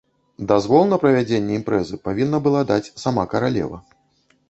Дазвол на правядзенне імпрэзы павінна была даць сама каралева.